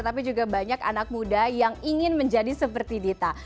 tapi juga banyak anak muda yang ingin menjadi seperti dita